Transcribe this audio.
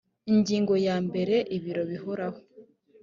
ingingo ya mbere ibiro bihoraho